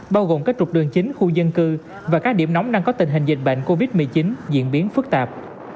bao gồm các trục đường chính khu dân cư và các điểm nóng đang có tình hình dịch bệnh covid một mươi chín diễn biến phức tạp